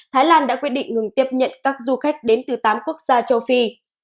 thái lan đã quyết định ngừng tiếp nhận các du khách đến từ tám quốc gia châu phi